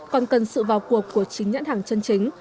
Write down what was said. còn cần sự vào cuộc của chính nhãn hàng chân chính